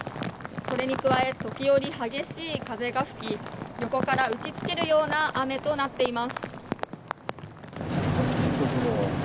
それに加え、時折、激しい風が吹き、横から打ちつけるような雨となっています。